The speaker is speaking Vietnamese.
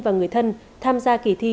và người thân tham gia kỳ thi